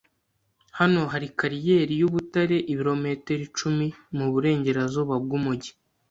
Hano hari kariyeri yubutare ibirometero icumi muburengerazuba bwumujyi.